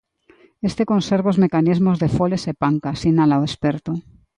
Este conserva os mecanismos de foles e panca, sinala o experto.